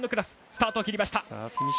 スタートを切りました。